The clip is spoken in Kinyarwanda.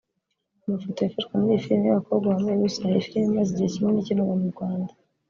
Amafoto yafashwe muri iyi filime y'abakobwa bambaye ubusa iyi filime imaze igihe ikinirwa mu Rwanda